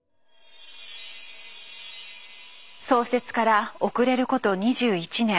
創設から遅れること２１年